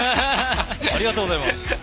ありがとうございます。